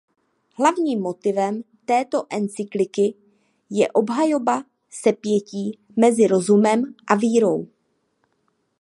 Hlavním motivem této encykliky je obhajoba sepětí mezi rozumem a vírou.